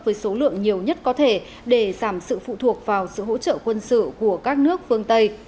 với số lượng nhiều nhất có thể để giảm sự phụ thuộc vào sự hỗ trợ quân sự của các nước phương tây